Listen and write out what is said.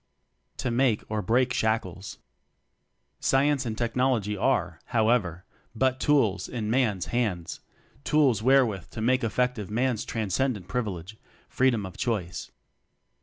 To Make or Break Shackles. Science and Technology are, how ever, but tools in Man's hands; tools wherewith to make effective Man's transcendent privilege: Freedom of Choice.